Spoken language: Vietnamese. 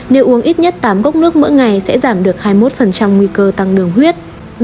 nếu uống ít nhất tám gốc nước mỗi ngày sẽ giảm được hai mươi một nguy cơ tăng đường huyết